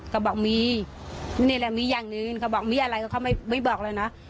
ก็บอกมีนี่แหละมีอย่างหนึ่งเขาบอกมีอะไรก็เขาไม่บอกเลยนะ